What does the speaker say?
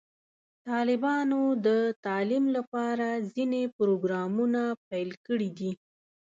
طالبانو د تعلیم لپاره ځینې پروګرامونه پیل کړي دي.